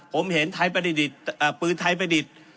ผมเห็นปืนไทยประดิษฐ์